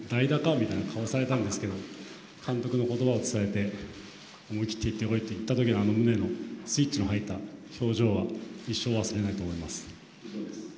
みたいな顔されたんですけど、監督のことばを伝えて、思い切っていってこいと言ったときの、あのムネのスイッチの入った表情は一生忘れないと思います。